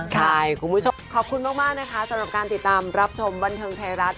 ใช่คุณผู้ชมขอบคุณมากนะคะสำหรับการติดตามรับชมบันเทิงไทยรัฐ